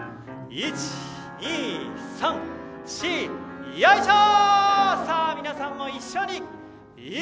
１、２、３、４よいしょー！